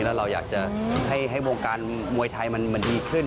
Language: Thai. แล้วเราอยากจะให้วงการมวยไทยมันดีขึ้น